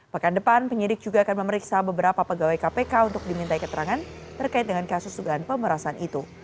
pekan depan penyidik juga akan memeriksa beberapa pegawai kpk untuk diminta keterangan terkait dengan kasus dugaan pemerasan itu